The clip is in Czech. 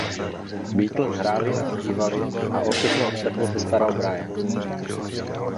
Beatles hráli a zpívali a o všechno ostatní se staral Brian.